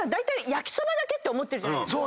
焼きそばだけって思ってるじゃないですか。